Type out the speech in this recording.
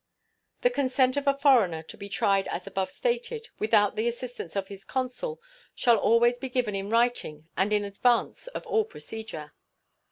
The consent of a foreigner to be tried as above stated, without the assistance of his consul, shall always be given in writing and in advance of all procedure.